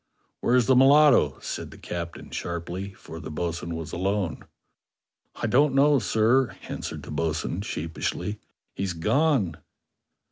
"Where's the mulatto?" said the captain sharply, for the bo'sun was alone. "I don't know, sir," answered the bo'sun sheepishly; "he's gone!"